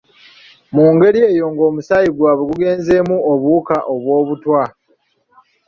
Mu ngeri eyo ng’omusaayi gwabwe gugenzeemu obuwuka obw’obutwa.